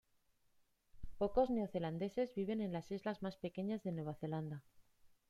Pocos neozelandeses viven en las islas más pequeñas de Nueva Zelanda.